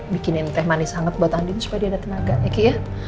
bikinin teh manis anget buat andin supaya dia ada tenaga ya kiki ya